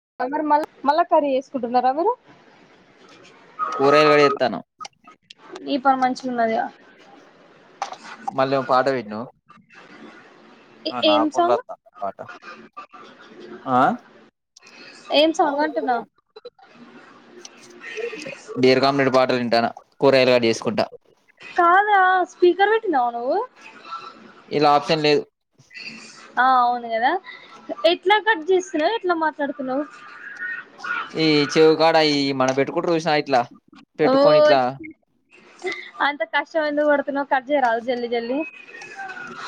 [inaudible] మళ్ మళ్లా కర్రీ ఎసుకుంటున్నారా మీరు కూరయాలు కూడ ఎత్తన్నామ్ ఈ పొర మంచి ఉన్నదిగా మళ్ళీ ఒక పాట పెట్టు ఏ ఏమ్ సాంగ్ వత్తాందా పాట ఆ ఏం సాంగ్ అంటున్నా [inaudible] డేర్ కామ్ నెడి పాటలు వింటారా కూరయలుగాడి చేేసుకుంటా కాదా స్పీకర్ పెట్టిన్నావు నువు ఇలా ఆప్షన్ లేదు ఆ అవును కదా ఎట్లా కట్ చేస్తున్నావు ఎట్లా మాట్లాడుతున్నావు ఈ చెవు కాడ ఈ మన పెట్కుంట్రు ఉషినయయిట్లా ఓ అంత కష్టం వంది తు కజ రాదు జల్ జల్ది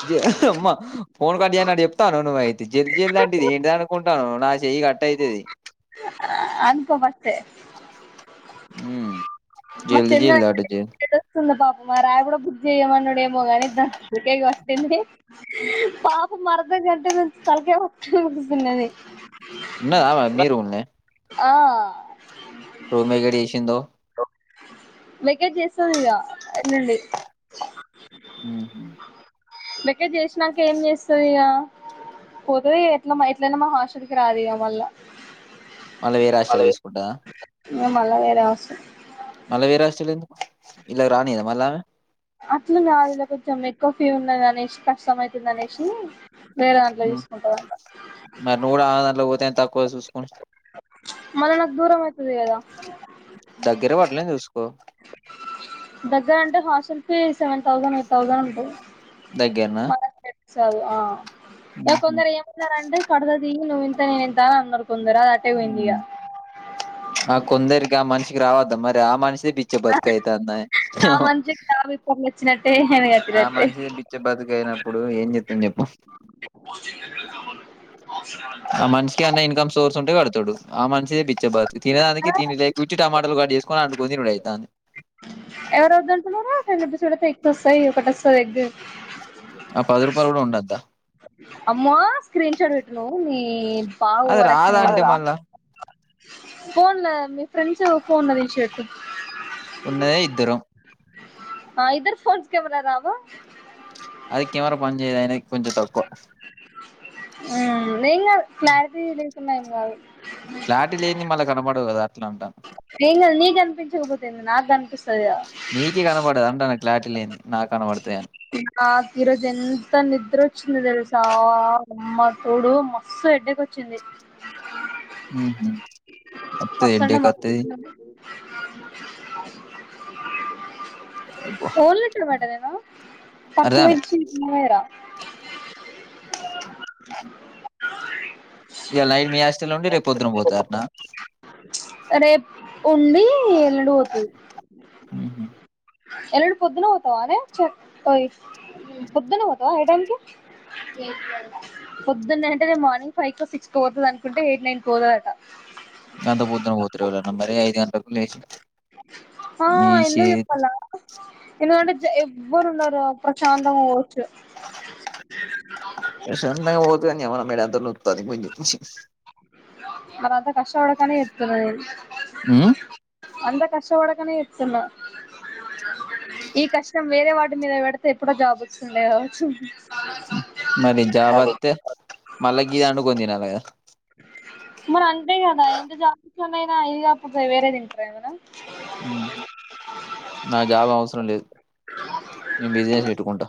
జ అమ్మా ఫోన్ కడి అ అడు చెప్తాను ను అయితే జల్ జల్ అంటిది ఏంటి అనుకుంటే నా చేయి అనుకోమస్ త్రె హ మన్న తెస్తుస్తుంద బాబ మా రాయ కూడా బుద్జి చెయ్యమన్నాడుేమో గాని ద తలకేకి వస్తుింది పాపం అరదం కంటే నుంచి తలకే వస్తలుగుస్తున్నది ఉన్నదమ మీరు ఉన్న ఆ రూమే గడి వేసిందో మేకే చేస్తాంది ఇక ఎండి ఉ ఇకే చేసినాక ఏం చేస్తుంది ఇ పోతుంది ఎట్లా ఎట్లనా మ హాస్టల్ కి రాదు ఇ మళ్ళ మళ్ళా వేయే రాష్ట్రాలు చూసుకుంటాదా మే మళ్ళా వేరే అవసరం మళ్ళ వేరవష్టలు ఇ రాని అద మళ్ళమె కఫీ ఉన్నది అనేసి కష్టం అవుతుంది అనేసి వేరే దాంట్లో ఉ చూసుకుంటదంట మరి నూడ తే తకు మన నాకు దూరం వ తెదా దగ్గరే పడలేని చూసుకో దగ్గర అంటే hostel fee seven thousand eight thousand ఉంటుంది దగ్గరనా సార్ ఇ ఉహు. కొందరు ఏమన్నారంటడి కడదది నువవుంతేంతా అందరు ఆ కొందరిగా మనిషి రావద్దా మరి ఆ మనిష సామంతకి జబి పనులు వచ్చినట్టు ఆ మనిషి బిచ్చ బతుక అయినప్పుడు ఏం చెతాం చెప్పు ఆ మనిషికి అన్న ఇన్కమ్ సోర్స్ ఉంటే కడతాడు ఆ మనిషదే పిచ్చబర్ తినదానికి తిండి లేక ఇచ్చి టమాటలు కట్డిచేసుకొని అంటని తినుడువుతాంది ఎవరువుద్దంట ఫెబస్ ఎక్ వస్తాయి ఒకటి వస్తాంది ఎగ్గ ఆ పది రూపాయలు కూడా ఉండద్దా అమ్మా స్క్రీన్ షాట్ పెట్టును మీ అది రాదా అంటే మళ్ళా ఫోన్ లో మీ ఫ్రెండ్స్ ఫోన్ లో విషతు ఉన్నదే ఇద్దరం ఇద్దరు ఫోన్స్ కెమెరా రావా అది కెమెరా పని చేయదు ఆయన కొంచం తక్కువ అ నెన్ నా ఫ్లాట్ న్నా ఎంగాద్ క్లారటి లేని మళ్ళీ కనపడవు కదా అట్లా అంటాను ని నీకు కనిపించకపోతుంది నాకు అనిపిస్తదిగా కనబడుతాయ మా తీరోజు ఎంత నిద్ర వచ్చింది తెలుసా అమ్మ తోడు మస్తు ఎడ్డకిొచ్చింది వద్దు ఎడ్డేకాత్తాది [inaudible] అబ్బో ఓళ టర్మాటదేనా అర్థం పర్చి కాలే మేడిచ ఇ వరా [inaudible] ఇలా నైట్ మీ ఆస్ట్లొ ఉండి రేపు పొద్దున పోతారునా రేపు ఉండి ఎల్లుండి ఆ హు ఎలుండి పొద్దున పొవుతవనేే పొద్దున్న పోతా టైం కి పొద్దున్న అంటేే మార్నింగ్ ఫైవ్ కు సిక్స్ పోతుంది అనుకుంటే ఎయిట్ నైన్ కు పోతుదట గంత పొద్దున్న పోతుేళన్నా మరి ఐదు గంటలకు లేచ ఆ ఈ చే ఎందుకు ఎబరు ఉన్నారు అప్పుశాంతంగా షంతంగా పొతాం అ మేడ ాది కొచి అ అల కష్టవుడకనేే ఎతుదు నెను ఉమ్ అంత కష్టపడకనే చెప్తున్నా ఈ కష్టం వేరే వాటి మీద పెడితే ఎప్పుడో జాబ్ు వచ్చిండే కావచ్చు మరి జాబత్తే మళ్ళా గ ఇది వండుకొని తినాల కదా మరి అంతే కదా ఎంత జాబ్ వచ్చినోడు అయినా ఇదే ఫుడ్ ఏ వేరే తింటారా ఏమన్నా ఉమ్ నాకు జాబ్ అవసరం లేదు నేను బిజినెస్ పెట్టుకుంటా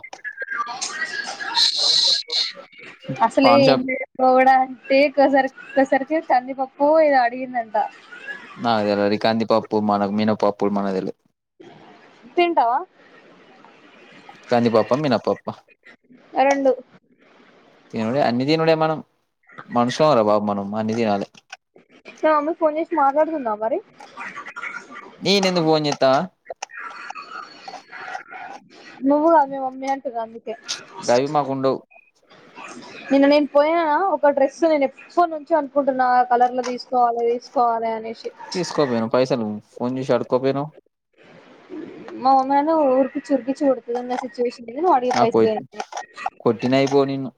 అసలే పాన్ ఏం షాప్ [unintelligible] పే కసార్ కసర్కే కంది పప్పు ఏదో అడిగిందంట నాకు తెలవదు కంది పప్పు మన మినపప్పు మనకు తెల్వదు తింటావా కందిపప్పా మినపప్పా రెండు తినుడే అన్ని తినుడే మనం మనుశాం రా బాబు మనం అమ్మా అన్ని తినాలే మీ మమ్మీ ఫోన్ చేసి మాట్లాడుతుందా మరి నేనెందుకు ఫోన్ చేత్తానా నువ్వు కాదు మీ మమ్మీ అంటున్న అందుకే గవి మాకు ఉండవు నిన్న నేను పోయినాన ఒక డ్రెస్ నేను ఎప్పున్నుంచో అనుకుంటున్నా ఆ కలర్ లో తీసుకోవాలి తీసుకోవాలి అనేసి తీసుకోపోయినావ్ పైసలు పోన్ చేసి అడుక్కో పోయినావ్ మా మమ్మీ అయినా ఊరు కిచ్చి ఉరికిచ్చి కొడుతుదన్న సిచుయేషన్ వాడి పైస నాకు కొట్టినయిపో నిన్ను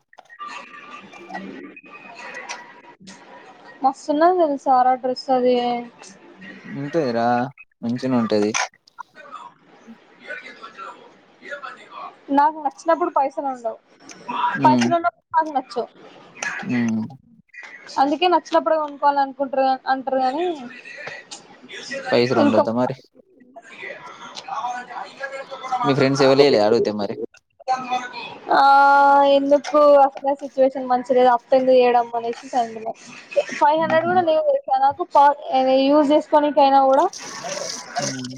మస్తున్నది తెలుసారా డ్రెస్ అది ఇంతేరా మంచిగనే ఉంటది నాకు నచ్చినప్పుడు పైసలు ఉండవు ఉమ్ పైసలు ఉండవ్ నాకు సో ఉమ్ అందుకే నచ్చినప్పుడు కొనుకోవాలనుకుంటారు అంటారు కాని పైసలు ఉండద్దా మరి [inaudible] మీ ఫ్రెండ్స్ ఎవరిలే అడుగుతే మరి ఆ ఎందుకు అసలే సిచ్యువేషన్ మంచిగలేదు అప్పు ఎందుకు చేయడం అనేసి సైలెంట్గా ఉన్న ఫైవ్ హండ్రెడ్ కూడా లేవు తెలుసా నాకు యూస్ చేసుకొని కైనా కూడా ఉమ్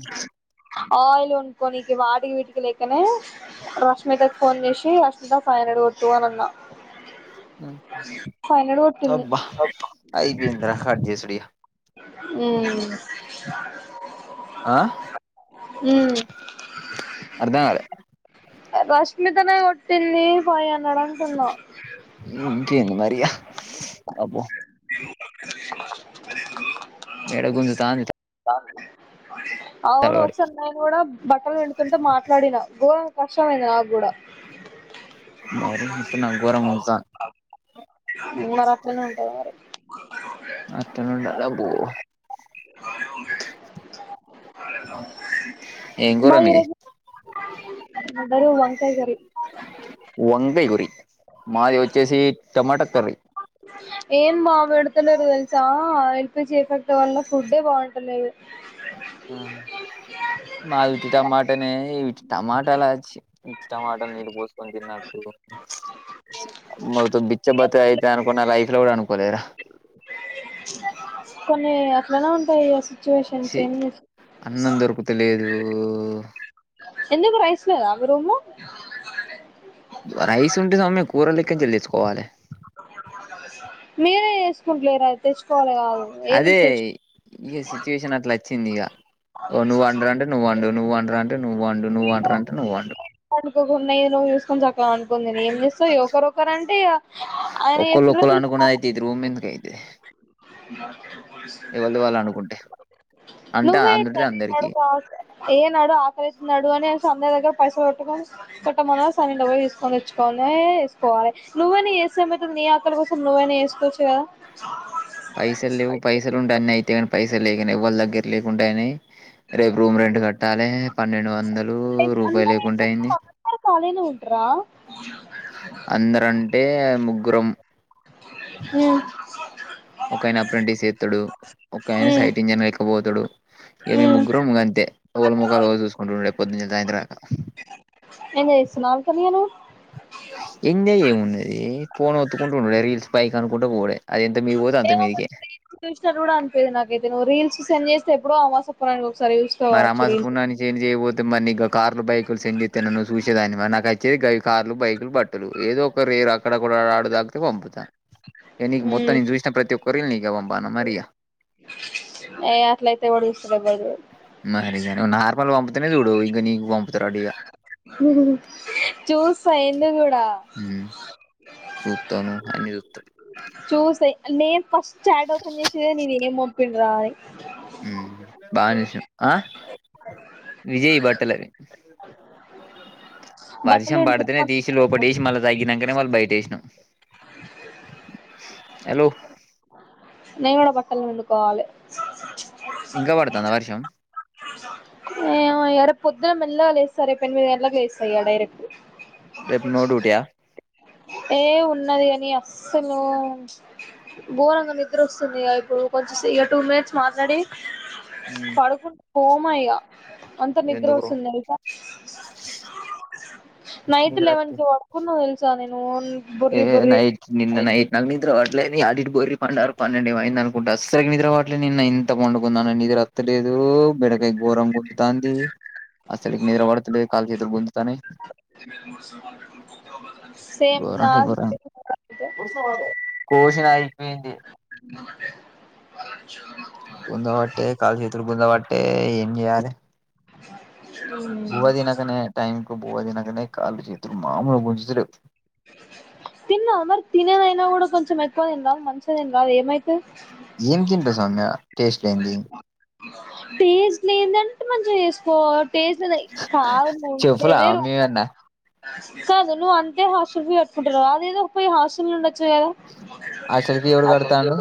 ఆయిల్ కొనుక్కొనికి వాటికి వీటికి లేకనే రష్మితకి ఫోన్ చేసి రష్మిత ఫైవ్ హండ్రెడ్ కొట్టు అని అన్నా ఉహూ ఫైవ్ హండ్రెడ్ కొట్టింది అబ్బా అయిపోయిందిరా కట్ చేసుడు ఇంకా ఉమ్ [inaudible] ఆ ఉమ్ అర్ధం కాలే రష్మితనే కొట్టింది ఫైవ్ హండ్రెడ్ అంటున్నా ఉమ్ ఇంకేం మరి ఇగ అబ్బో [unintelligible] మేడ గుంజతాంది తాంది అవును ఒకసారి నేను కూడా బట్టలు పిండుతుంటే మాట్లాడిన గ కష్టమైంది నాగూడ మరి ఇప్పుడు నాకు గోరంగా గుజుతంద్ మరి అట్లనే ఉంటాది మరి అత్తను ఉండదా పో ఏం కూర బా మీ [unintelligible] వంకాయ కర్రీ వంగయ గురి మాది వచ్చేసి టమాటా కర్రీ ఏం బా పేడతలేరు తెలుసా ఎల్పిజీ ఎఫెక్ట్ వల్ల ఫుడే బాగుంటలేదు ఉమ్ మావి టమాటనే ఏవి టమాటలాచ్చి ఇష్టం మాటలు నీళ్ళు పోసుకొని తిన్నట్టు మొత్తం బిచ్చ బతి అయితా అనుకున్న లైఫ్ లో కూడా అనుకోలేదురా కొన్ని లేనా ఉంటాయి ఏసుక్ చి అన్నం దొరుకుతలేదు ఎందుకు రైస్ లేదా మీ రూమ్ లో రైస్ ఉంటే సమ్మె కూరలక్కని చెల్లించుకోవాలి మీరే చేసుకుంటలేరా తెచ్చుకోవాలి కాదు ఏ అదే నుంచి తెచ్చుకుంటారు ఇక సిచ్యువేషన్ అట్లా వచ్చింది ఇగ ఓ నువ్ అండరా అంటే నువ్వ వండు నువ్ వండరా అంటే నువ్ వండు నువ్ వండ్ర అంటే నువ్ వండు అనుకోకున్నా ఏదో నువ్వు చూసుకొని సక్కలగా అనుకునీ తిను ఏం చేస్తావు ఒకరు ఒకరు అంటే ఇగ ఒక్కోలు ఒక్కోలు అనుకోన్నాదైతే అయితే ఇది రూమ్ ఎందుకు అయితే పోలీసు ఎవరిది వాళ్ళు అనుకుంటే అంటే నువ్వే అందుటిది [unintelligible] అందరికి ఏ నాడు ఆ ఆకలి అయ్యింది నడు అనే స దగ్గర పైసలు కొట్టుకొని కొట్టమనన్ని డబ్బ తీసుకొని తెచ్చుకొనినే వేసుకోవాలి నువ్వేనా వేసేమయి నీ అక్కడి కోసం నువ్వైనా వేసుకోవచ్చు కదా పైసలు లేవు పైసలు ఉండే అన్నీ అయితాయి పైస లేకనే ఎవ్వళ్ దగ్గర లేకుండా అయినాయి రేపు రూమ్ రెంట్ కట్టాలే పన్నెండు వందలు ఒక్క రూపాయి అందరు లేకుండా అయింది అందరు ఖాళీనే ఉంటరా అందరుంటే ముగ్గురం ఉమ్ ఒకాయన అప్రెంటిస్ ఎత్తడు ఒకాయన ఉమ్ సైట్ ఇంజనల్ బోతుడు ఏమి ఉమ్ ముగ్గురు ము అంతే ఒకళ ముఖాలు ఒకలు చూసుకుంటుండయి పొద్దున్నుంచి సాయంత్రం దాకా ఏం చేస్తున్నావు ఖాళీగా నువ్వు ఎంజాయ్ ఏం ఉన్నది పోన్ ఒత్తుకుంటూ ఉండుడే రీల్స్ పైకి అనుకుంటు పోవుడే ఏమో రీల్స్ చూసినా కూడా అనిపిది నాకైతే నువ్వు రీల్స్ సెండ్ చేసి ఎప్పుడో అమావాస కి రెండు మరి అమాస పున్నానికి సెండ్ చేయకపోతే మరి ఇక కార్లు బైకులు సెంజ చేస్తా నన్ను చూసేదానివ నాకు అయి చ్చది కార్లు బైక్లు బట్టలు ఏదో ఒక రే రా [unintelligible] పంపుతా ఇగ నీకు మొత్తం ఉమ్ నేను చూసిన ప్రతి ఒక్క రీల్ నీకే పంపను మరి ఇగ ఏ అట్లయితే ఎవడు చూస్తడు ఎవడు మరి ఇగ నార్మల్ వం తడే చూడు ఇక నీకు వం చూస్ ఆ ఎందుకు ఉ చుత్తాను అన్ని త చూసే నేను ఫస్ చాట్ ఓపన్ చేసేదే నీగెం మోమ్ ప్ప రాయి ఉ బానే చూసినావ్ విజయ్ బట్టలవి బట్టలు వర్షం పడుతేనే పిండుకున్నాం తీసి లోప డిసి మళ్ళ తగ్గినాంక మళ్ బయట చేసినాం హలో నేను కూడా బట్టలు పిండుకోవాలే ఇంకా పడుతుందా వర్షం ఏమో ఏడ పొద్దున మెల్లగా లేేస్తారే ఎనిమిది గంటలకు లేస్త ఇయాల డైరెక్ట్ రేపు నోడుటియా ఏ ఉన్నది అని అస్సలు బోరంగా నిద్ర వస్తుంది ఇక ఇప్పుడు కొంచెం ఇక టూ మినిట్స్ మాట్లాడి హ్మ్ పరకు హమయ్య అంత నిద్ర ఎందుకురో వస్తున్నాయి నైట్ లెవెన్ నిద్రొత్తే కి పడుకున్నా తెలుసా దను ఏ నైట్ నింద నైట్ నగ్ నిద్ర హట్ల అడి బో పండుారు పన్నెండి అైంది అనుకుంటారు అస్సలు మిద వాట్లు నిన్న ఎత్త పండుకుందా నని ఇదిరు రత్తలేదు ఘోరం గుొంతాంది అసలుకి నిద్ర పడతలేదు కాలు చేతులు గుంజుతానే సేమ్ నా కురంట కుర సిట్యుయేషన్ కూడా కోశన్యిపోయిడి అే గ గుంధ వాట్ కాాలక్షషేత్ర గుంధ వాట్ట్ట ఏ అద అంతే బువ్వ తినకనే టైంకు బువ్వ తినకనే కాళ్ళు చేతులు మాములుగ గుంజతలేవ్ తిన్నా మరి తినేదైనా కూడా కొంచెం ఎక్కువ తినరాదు మంచిగ తినరాదు ఏమైతే ఏం తింట సౌమ్య టేస్ట్ లేంది టేస్ట్ లేదని మంచిగ చేసుకో టేస్ట్ చెయ్ కారం చెప్పులా ఉండేదే రొంత మేమన్నా కాదు నువ్వంటే హాస్టల్ చు కట్టుకుంటారు రా అదేదో పోయ హాటల్ ఉండచ్చు కదా ఆ చరితి ఎవడు కడతాండూ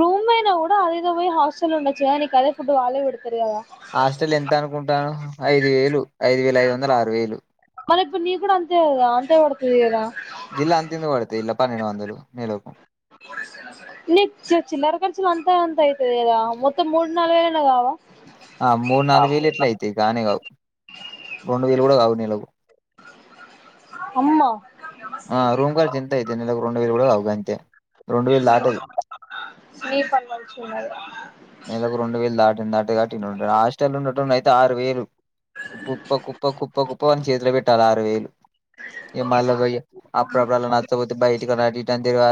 రూమైనా ఉ అదేదో పోయి హాస్టల్లో ఉండచ్చుకదా నీకు అదే ఫుడ్ వాలే పెడతారు కదా హాస్టల్ ఎంత అనుకుంటానవ్ ఐదు వేలు ఐదు వేల ఐదు వందల్ ఆరు వేలు మరి ఇప్పుడు నీ కూడా అంతే కదా అంతే పడతది కదా ఇల్ అంతెందుకు పడతాయ్ ఇల్ పన్నెండు వందలు నెలకు నీ చి చిల్లర ఖర్చులు అంతా అంత అయితది కదా మొత్తం మూడ్ నాలుగు వేలైనా కావా ఆ మూడు నాలుగు వేలు ఎట్ల అయితాయి గానే కావు రెండు వేలు కూడా కావు నెలకు అమ్మ ఆ రూమ్ ఖర్చు ఎంతైతాయ్ నెలకు రెండు వేలు గుడా గావు గంతే రెండు వేల్ దాటదు నీ పని మంచిగున్నది నెలకు రెండు వేలు దాటన్ దాటద్ కాబట్టి ఇడుంటద్ ఆ హాస్టలుండ్ టుండైతే ఆరు వేలు కుప్ప కుప్ప కుప్ప కుప్ప వాని చేతిల పెట్టాల ఆరు వేలు ఇగ మళ్ళ వెయ్యొ అప్పుడప్పుడు అలా నచ్చపోతే బయటకని అటు ఇటు అని తిరిగార్